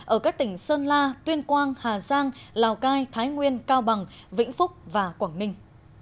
ở các tỉnh sơn la tuyên quang hà giang lào cai thái nguyên cao bằng vĩnh phúc và quảng ninh